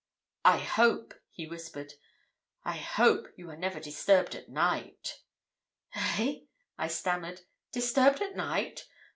"'I hope,' he whispered, 'I hope you are never disturbed at night?' "'Eh?' I stammered, 'disturbed at night?